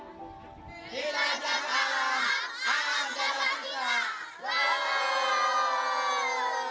bersama dengan alhamdulillah